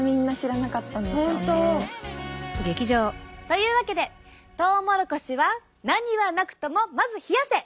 というわけでトウモロコシは何はなくともまず冷やせ！